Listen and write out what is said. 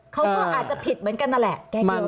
เขาก็อาจจะผิดเหมือนกันนั่นแหละ